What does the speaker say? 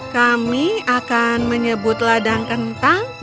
kami akan menyebut ladang kentang